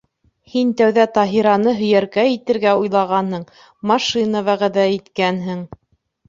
Һин тәүҙә Таһираны һөйәркә итергә уйлағанһың, машина вәғәҙә иткәнһең.